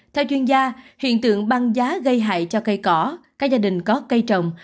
theo chuyên gia hiện tượng băng giá gây hại cho cây cỏ các gia đình có cây trồng